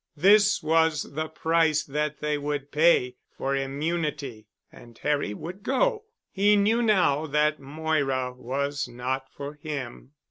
This was the price that they would pay for immunity—and Harry would go. He knew now that Moira was not for him.